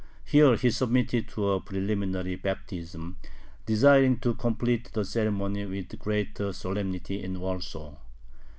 Here he submitted to a preliminary baptism, desiring to complete the ceremony with greater solemnity in Warsaw.